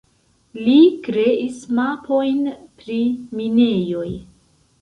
Li kreis mapojn pri minejoj.